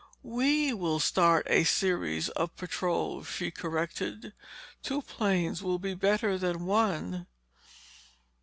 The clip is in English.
"We will start a series of patrols," she corrected. "Two planes will be better than one."